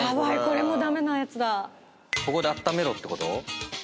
ここであっためろってこと？